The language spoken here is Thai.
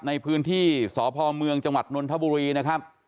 ในพื้นที่สพเมืองจนทบุรีนะครับ